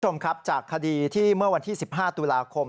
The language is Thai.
คุณผู้ชมครับจากคดีที่เมื่อวันที่๑๕ตุลาคม